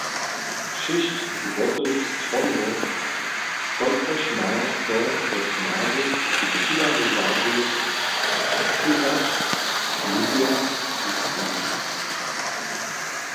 Šěsć złotych stronow, kotrež maja so wot małych přihladowarjow pytać, lubja wupuć.